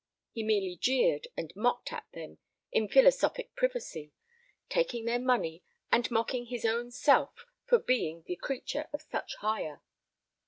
He merely jeered and mocked at them in philosophic privacy, taking their money, and mocking his own self for being the creature of such hire.